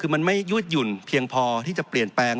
คือมันไม่ยวดหยุ่นเพียงพอที่จะเปลี่ยนแปลง